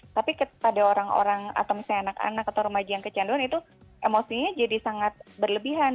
tapi pada orang orang atau misalnya anak anak atau remaja yang kecanduan itu emosinya jadi sangat berlebihan